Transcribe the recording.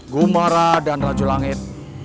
gumar dan rajo langit